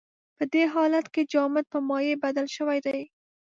په دې حالت کې جامد په مایع بدل شوی دی.